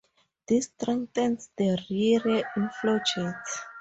This strengthens the rear inflow jet.